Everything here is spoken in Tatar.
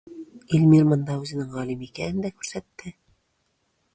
Илмир монда үзенең галим икәнен дә күрсәтте.